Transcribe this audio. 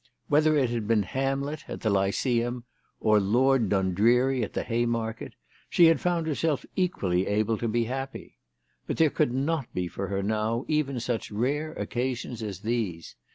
Whether it had been Hamlet at the Lyceum, or Lord Dundreary at the Haymarket, she had found herself equally able to be happy. But there could not be for her now even such rare occasions as these.